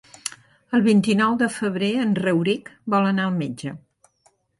El vint-i-nou de febrer en Rauric vol anar al metge.